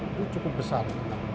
itu cukup besar